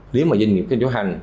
nếu mà doanh nghiệp phải chấp hành